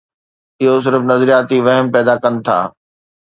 اهي صرف نظرياتي وهم پيدا ڪن ٿا.